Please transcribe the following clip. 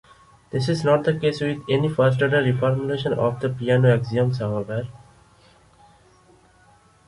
This is not the case with any first-order reformulation of the Peano axioms, however.